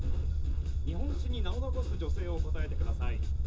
日本史に名を残す女性を答えてください。